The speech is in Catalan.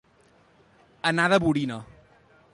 Anar de borina.